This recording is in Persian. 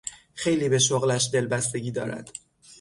خیلی به شغلش دلبستگی دارد.